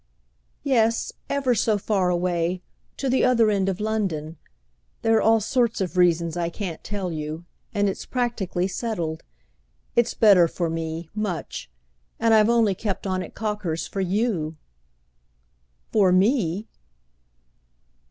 "Yes, ever so far away—to the other end of London. There are all sorts of reasons I can't tell you; and it's practically settled. It's better for me, much; and I've only kept on at Cocker's for you." "For me?"